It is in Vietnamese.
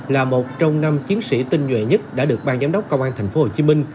là một trong năm chiến sĩ tinh nhuệ nhất đã được ban giám đốc công an thành phố hồ chí minh